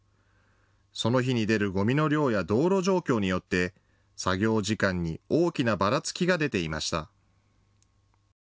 その日に出るゴミの量や道路状況によって作業時間に大きなばらつきが出ていました。